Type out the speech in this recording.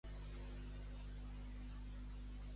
Qui va ser Maria Remei Hofmann i Roldós?